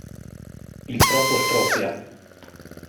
Il troppo stroppia.